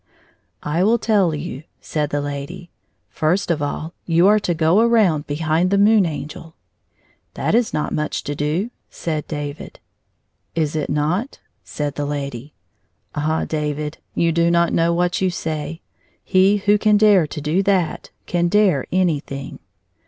" I will tell you," said the lady. " First of all you are to go around behind the Moon Angel." " That is not much to do," said David. " Is it not ?" said the lady; " Ah, David, you do not know what you say. He who can dare to do that, can dare anjrthing."